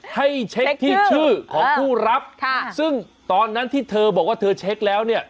ให้เช็คที่ชื่อของผู้รับค่ะซึ่งตอนนั้นที่เธอบอกว่าเธอเช็คแล้วเนี่ย